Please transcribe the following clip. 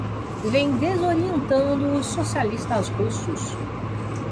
vêm desorientando os socialistas russos